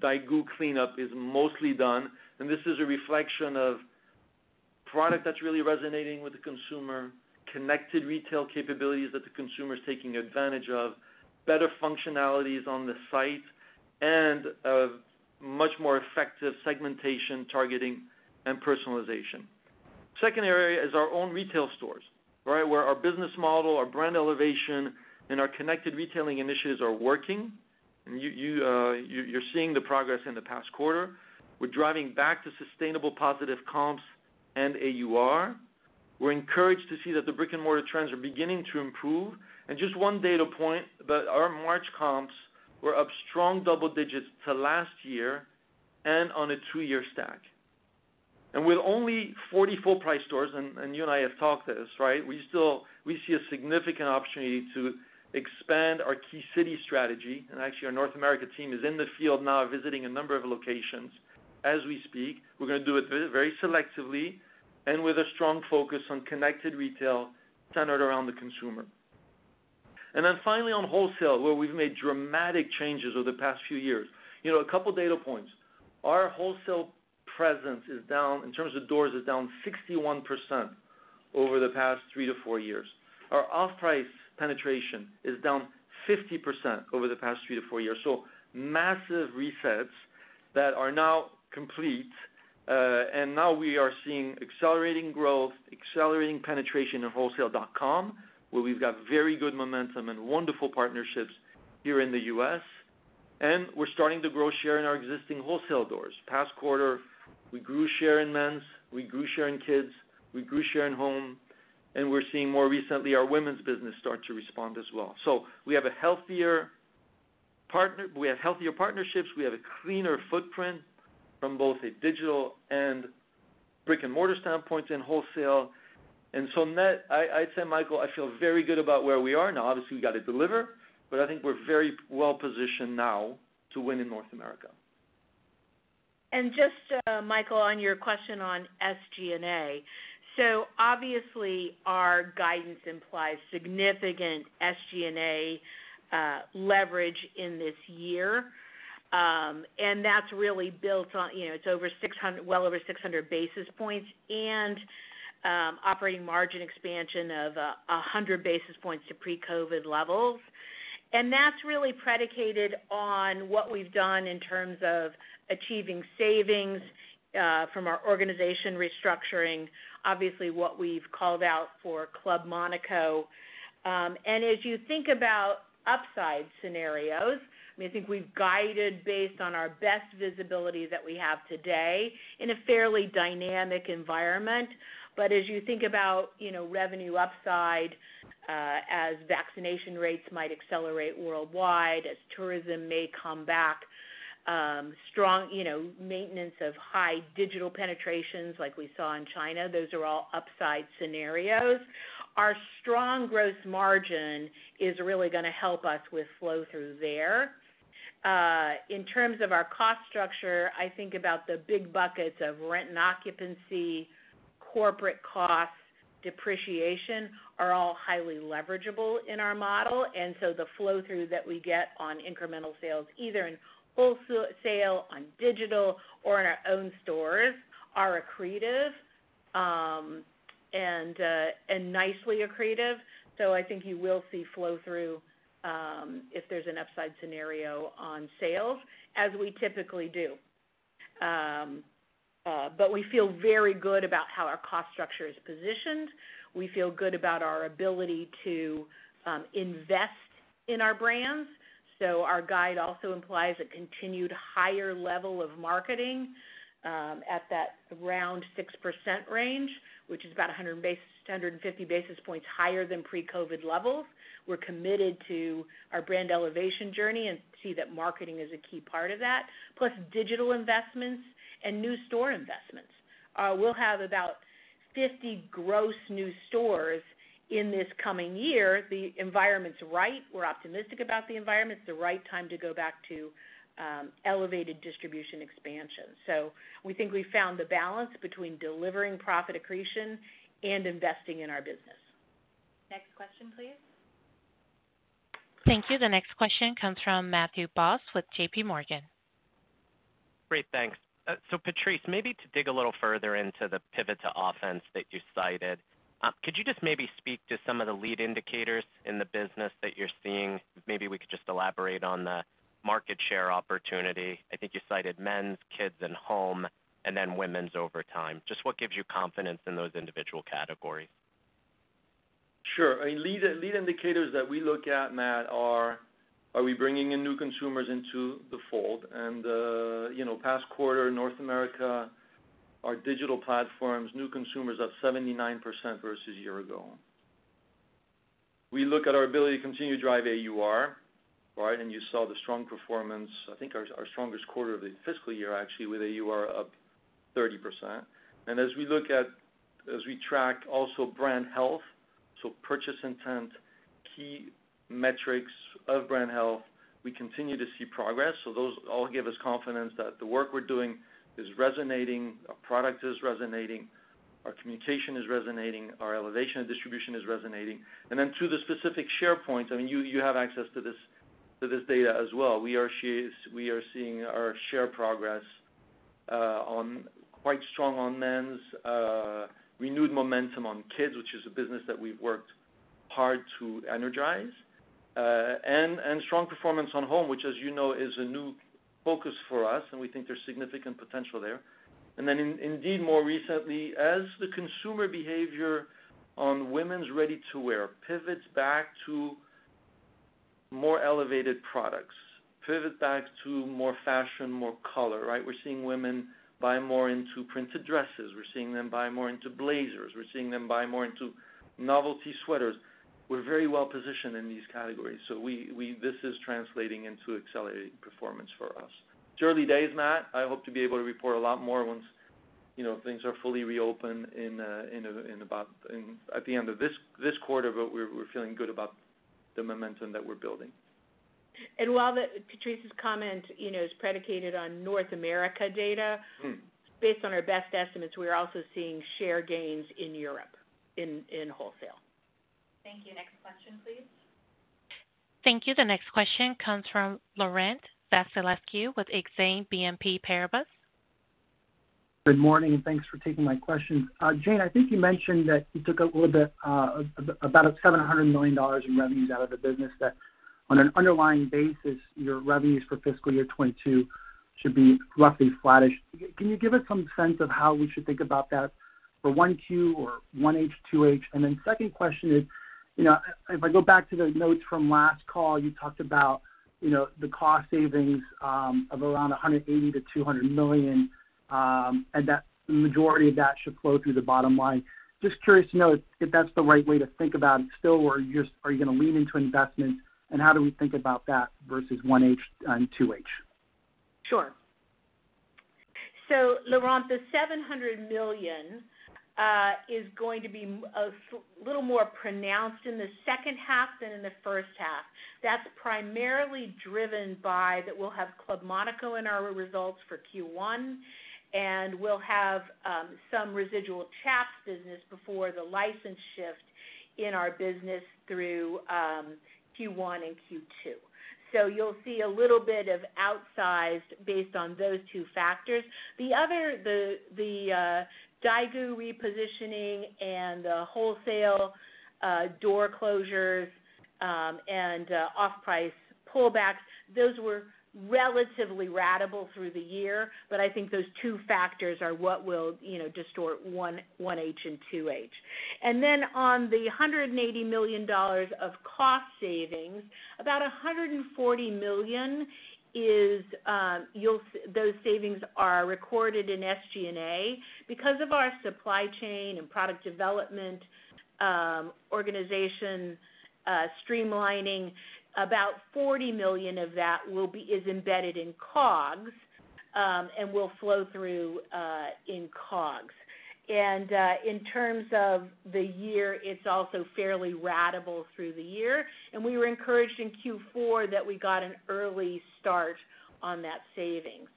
[SPEAKER 2] Daigou cleanup is mostly done. This is a reflection of product that's really resonating with the consumer, connected retail capabilities that the consumer's taking advantage of, better functionalities on the site, and a much more effective segmentation, targeting, and personalization. Second area is our own retail stores, where our business model, our brand elevation, and our connected retailing initiatives are working. You're seeing the progress in the past quarter. We're driving back to sustainable positive comps and AUR. We're encouraged to see that the brick-and-mortar trends are beginning to improve. Just one data point, but our March comps were up strong double digits to last year and on a two-year stack. With only 40 full-price stores, and you and I have talked this, we see a significant opportunity to expand our key city strategy. Actually, our North America team is in the field now visiting a number of locations as we speak. We're going to do it very selectively and with a strong focus on connected retail centered around the consumer. Finally on wholesale, where we've made dramatic changes over the past few years. A couple data points. Our wholesale presence is down, in terms of doors, is down 61% over the past three to four years. Our off-price penetration is down 50% over the past three to four years. Massive resets that are now complete. Now we are seeing accelerating growth, accelerating penetration of wholesale.com, where we've got very good momentum and wonderful partnerships here in the U.S. We're starting to grow share in our existing wholesale doors. Past quarter, we grew share in men's, we grew share in kids, we grew share in home, and we're seeing more recently our women's business start to respond as well. We have healthier partnerships. We have a cleaner footprint from both a digital and brick-and-mortar standpoint in wholesale. Net, I'd say, Michael, I feel very good about where we are now. Obviously, we got to deliver, but I think we're very well-positioned now to win in North America.
[SPEAKER 3] Just, Michael, on your question on SG&A. Obviously, our guidance implies significant SG&A leverage in this year. That's really built on, it's well over 600 basis points and operating margin expansion of 100 basis points to pre-COVID-19 levels. That's really predicated on what we've done in terms of achieving savings from our organization restructuring, obviously what we've called out for Club Monaco. As you think about upside scenarios, I think we've guided based on our best visibility that we have today in a fairly dynamic environment. As you think about revenue upside as vaccination rates might accelerate worldwide, as tourism may come back, strong maintenance of high digital penetrations like we saw in China, those are all upside scenarios. Our strong gross margin is really going to help us with flow-through there. In terms of our cost structure, I think about the big buckets of rent and occupancy, corporate costs, depreciation, are all highly leverageable in our model. The flow-through that we get on incremental sales, either in wholesale, on digital, or in our own stores are accretive, and nicely accretive. I think you will see flow-through if there's an upside scenario on sales, as we typically do. We feel very good about how our cost structure is positioned. We feel good about our ability to invest in our brands. Our guide also implies a continued higher level of marketing at that around 6% range, which is about 150 basis points higher than pre-COVID levels. We're committed to our brand elevation journey and see that marketing is a key part of that, plus digital investments and new store investments. We'll have about 50 gross new stores in this coming year. The environment's right. We're optimistic about the environment. It's the right time to go back to elevated distribution expansion. We think we found the balance between delivering profit accretion and investing in our business.
[SPEAKER 1] Next question, please.
[SPEAKER 4] Thank you. The next question comes from Matthew Boss with JPMorgan.
[SPEAKER 7] Great. Thanks. Patrice, maybe to dig a little further into the pivot to offense that you cited, could you just maybe speak to some of the lead indicators in the business that you're seeing? Maybe we could just elaborate on the market share opportunity. I think you cited men's, kids and home, and then women's over time. Just what gives you confidence in those individual categories?
[SPEAKER 2] Sure. Lead indicators that we look at, Matt, are we bringing in new consumers into the fold? The past quarter, North America, our digital platforms, new consumers up 79% versus year ago. We look at our ability to continue to drive AUR. Right? You saw the strong performance, I think our strongest quarter of the fiscal year, actually, with AUR up 30%. As we track also brand health, so purchase intent, key metrics of brand health, we continue to see progress. Those all give us confidence that the work we're doing is resonating, our product is resonating, our communication is resonating, our elevation and distribution is resonating. Then to the specific share points, you have access to this data as well. We are seeing our share progress quite strong on men's, renewed momentum on kids, which is a business that we've worked hard to energize, and strong performance on home, which as you know is a new focus for us, and we think there's significant potential there. Indeed, more recently, as the consumer behavior on women's ready-to-wear pivots back to more elevated products, pivot back to more fashion, more color, right? We're seeing women buy more into printed dresses. We're seeing them buy more into blazers. We're seeing them buy more into novelty sweaters. We're very well positioned in these categories. This is translating into accelerated performance for us. It's early days, Matt. I hope to be able to report a lot more once things are fully reopened at the end of this quarter, but we're feeling good about the momentum that we're building.
[SPEAKER 3] while Patrice's comment is predicated on North America data. Based on our best estimates, we are also seeing share gains in Europe, in wholesale.
[SPEAKER 1] Thank you. Next question please.
[SPEAKER 4] Thank you. The next question comes from Laurent Vasilescu with Exane BNP Paribas.
[SPEAKER 8] Good morning. Thanks for taking my questions. Jane, I think you mentioned that you took a little bit, about $700 million in revenues out of the business that on an underlying basis, your revenues for fiscal year 2022 should be roughly flattish. Can you give us some sense of how we should think about that for 1Q or 1H, 2H? Second question is, if I go back to the notes from last call, you talked about the cost savings of around $180 million-$200 million, and that the majority of that should flow through the bottom line. Just curious to know if that's the right way to think about it still, or are you going to lean into investment, and how do we think about that versus 1H and 2H?
[SPEAKER 3] Sure. Laurent Vasilescu, the $700 million is going to be a little more pronounced in the second half than in the first half. That's primarily driven by that we'll have Club Monaco in our results for Q1, and we'll have some residual Chaps business before the license shift in our business through Q1 and Q2. You'll see a little bit of outsize based on those two factors. The Daigou repositioning and the wholesale door closures, and off-price pullbacks, those were relatively ratable through the year. I think those two factors are what will distort 1H and 2H. Then on the $180 million of cost savings, about $140 million, those savings are recorded in SG&A. Because of our supply chain and product development organization streamlining, about $40 million of that is embedded in COGS, and will flow through in COGS. In terms of the year, it's also fairly ratable through the year, and we were encouraged in Q4 that we got an early start on that savings.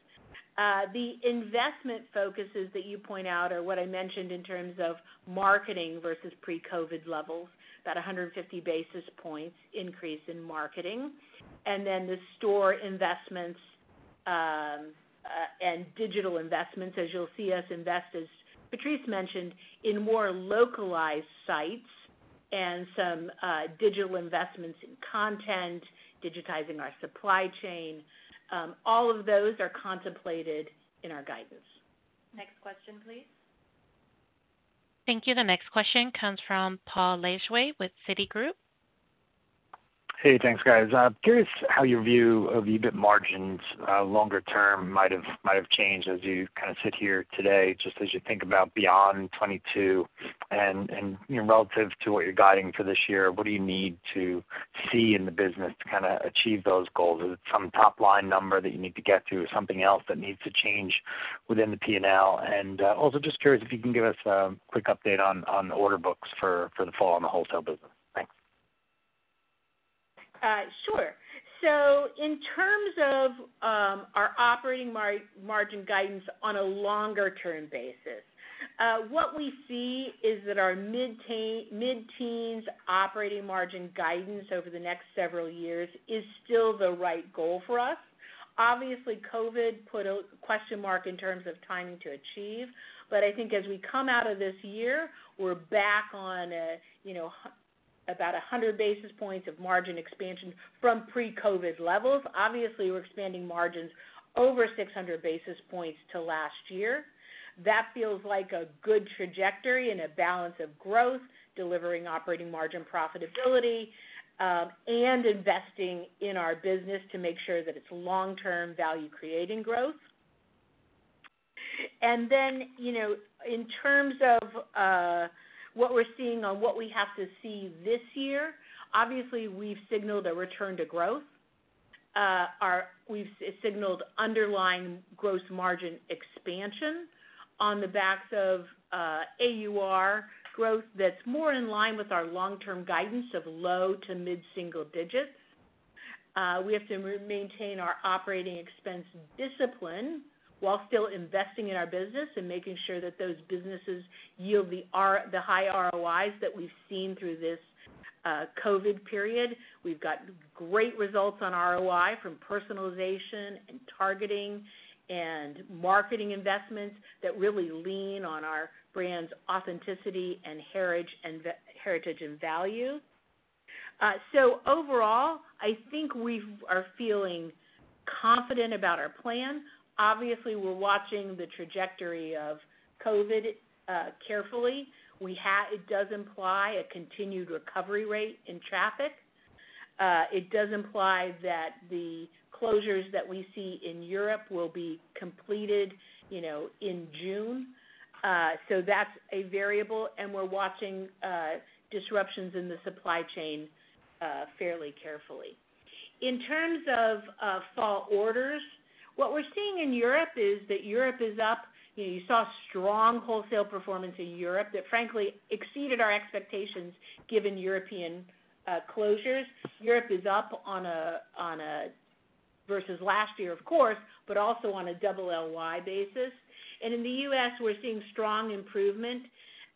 [SPEAKER 3] The investment focuses that you point out are what I mentioned in terms of marketing versus pre-COVID levels, that 150 basis points increase in marketing, and then the store investments and digital investments, as you'll see us invest, as Patrice mentioned, in more localized sites and some digital investments in content, digitizing our supply chain. All of those are contemplated in our guidance.
[SPEAKER 1] Next question, please.
[SPEAKER 4] Thank you. The next question comes from Paul Lejuez with Citigroup.
[SPEAKER 9] Hey, thanks guys. I am curious how your view of EBIT margins longer term might have changed as you sit here today, just as you think about beyond 2022 and relative to what you are guiding for this year, what do you need to see in the business to achieve those goals? Is it some top-line number that you need to get to or something else that needs to change within the P&L? Also just curious if you can give us a quick update on order books for the fall on the wholesale business. Thanks.
[SPEAKER 3] Sure. In terms of our operating margin guidance on a longer term basis, what we see is that our mid-teens operating margin guidance over the next several years is still the right goal for us. Obviously, COVID put a question mark in terms of timing to achieve, but I think as we come out of this year, we're back on about 100 basis points of margin expansion from pre-COVID levels. Obviously, we're expanding margins over 600 basis points to last year. That feels like a good trajectory and a balance of growth, delivering operating margin profitability, and investing in our business to make sure that it's long-term value-creating growth. In terms of what we're seeing on what we have to see this year, obviously we've signaled a return to growth. We've signaled underlying gross margin expansion on the backs of AUR growth that's more in line with our long-term guidance of low to mid-single digits. We have to maintain our operating expense discipline while still investing in our business and making sure that those businesses yield the high ROIs that we've seen through this COVID period. We've gotten great results on ROI from personalization and targeting and marketing investments that really lean on our brand's authenticity and heritage and value. Overall, I think we are feeling confident about our plan. Obviously, we're watching the trajectory of COVID carefully. It does imply a continued recovery rate in traffic. It does imply that the closures that we see in Europe will be completed in June. That's a variable, and we're watching disruptions in the supply chain fairly carefully. In terms of fall orders, what we're seeing in Europe is that Europe is up. You saw strong wholesale performance in Europe that frankly exceeded our expectations, given European closures. Europe is up versus last year, of course, but also on a double LY basis. In the U.S., we're seeing strong improvement,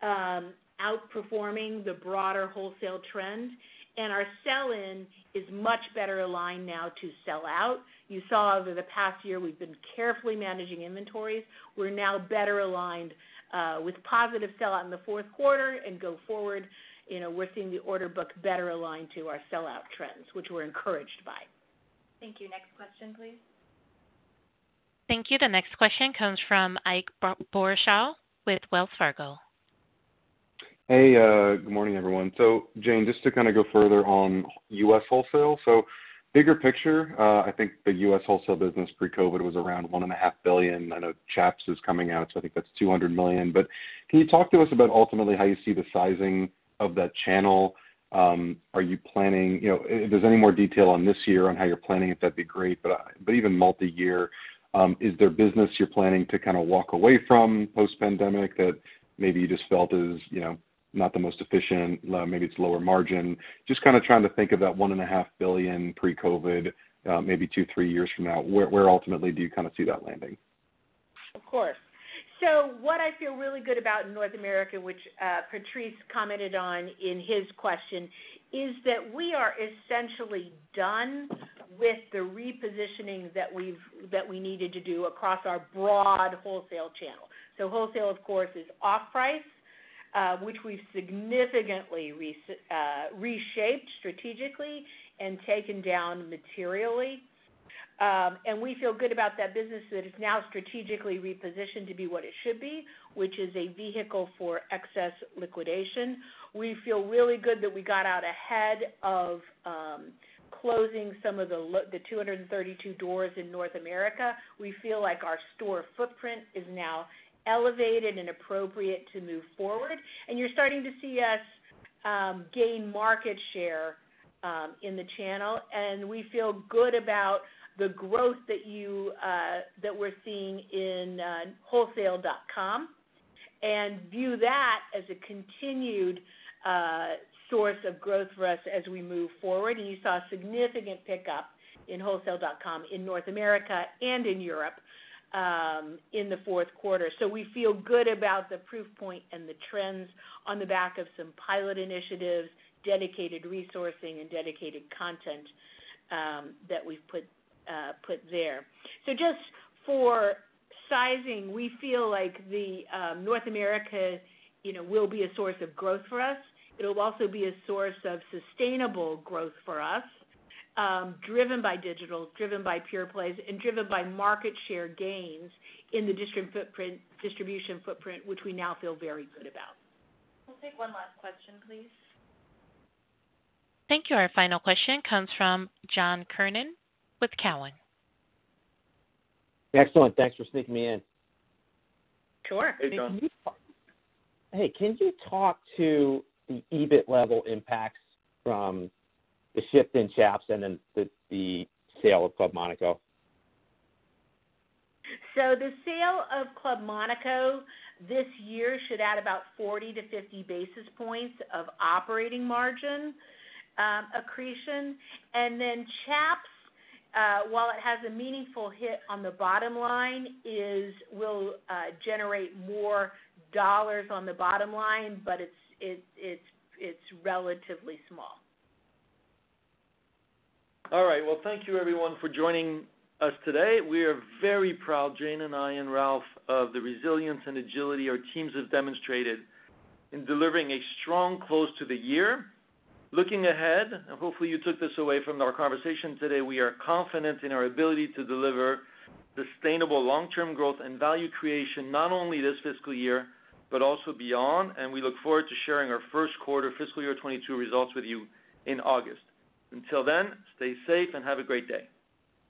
[SPEAKER 3] outperforming the broader wholesale trends, and our sell-in is much better aligned now to sell out. You saw over the past year we've been carefully managing inventories. We're now better aligned with positive sell out in the fourth quarter and go forward. We're seeing the order book better aligned to our sell out trends, which we're encouraged by.
[SPEAKER 1] Thank you. Next question, please.
[SPEAKER 4] Thank you. The next question comes from Ike Boruchow with Wells Fargo.
[SPEAKER 10] Hey, good morning, everyone. Jane, just to go further on U.S. wholesale. Bigger picture, I think the U.S. wholesale business pre-COVID-19 was around $1.5 billion. I know Chaps is coming out, so I think that's $200 million. Can you talk to us about ultimately how you see the sizing of that channel? If there's any more detail on this year on how you're planning it, that'd be great. Even multi-year, is there business you're planning to walk away from post-pandemic that maybe you just felt is not the most efficient, maybe it's lower margin? Just trying to think of that $1.5 billion pre-COVID-19, maybe two, three years from now. Where ultimately do you see that landing?
[SPEAKER 3] Of course. What I feel really good about in North America, which Patrice commented on in his question, is that we are essentially done with the repositioning that we needed to do across our broad wholesale channel. Wholesale, of course, is off-price, which we've significantly reshaped strategically and taken down materially. We feel good about that business that is now strategically repositioned to be what it should be, which is a vehicle for excess liquidation. We feel really good that we got out ahead of closing some of the 232 doors in North America. We feel like our store footprint is now elevated and appropriate to move forward. You're starting to see us gain market share in the channel, and we feel good about the growth that we're seeing in wholesale.com and view that as a continued source of growth for us as we move forward. You saw significant pickup in wholesale.com in North America and in Europe in the fourth quarter. We feel good about the proof point and the trends on the back of some pilot initiatives, dedicated resourcing, and dedicated content that we've put there. Just for sizing, we feel like North America will be a source of growth for us. It'll also be a source of sustainable growth for us, driven by digital, driven by pure plays, and driven by market share gains in the distribution footprint, which we now feel very good about.
[SPEAKER 1] We'll take one last question, please.
[SPEAKER 4] Thank you. Our final question comes from John Kernan with Cowen.
[SPEAKER 11] Excellent. Thanks for sneaking me in.
[SPEAKER 3] Sure.
[SPEAKER 2] Hey, John.
[SPEAKER 11] Hey. Can you talk to the EBIT level impacts from the shift in Chaps and then the sale of Club Monaco?
[SPEAKER 3] The sale of Club Monaco this year should add about 40 to 50 basis points of operating margin accretion. Chaps, while it has a meaningful hit on the bottom line, will generate more dollars on the bottom line, but it's relatively small.
[SPEAKER 2] All right. Well, thank you everyone for joining us today. We are very proud, Jane and I and Ralph, of the resilience and agility our teams have demonstrated in delivering a strong close to the year. Looking ahead, and hopefully you took this away from our conversation today, we are confident in our ability to deliver sustainable long-term growth and value creation not only this fiscal year, but also beyond, and we look forward to sharing our first quarter fiscal year 2022 results with you in August. Until then, stay safe and have a great day.